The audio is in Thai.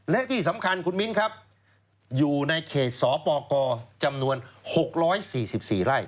และที่สำคัญคุณมิ้นครับอยู่ในเขตศปกจำนวนหกร้อยสี่สิบสี่ไล่